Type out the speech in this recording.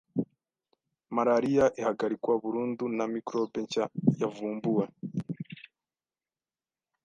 Malaria 'ihagarikwa burundu' na ‘microbe’ nshya yavumbuwe